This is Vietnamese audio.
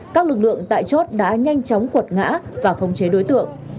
các lực lượng tại chốt đã nhanh chóng quật ngã và không chế đối tượng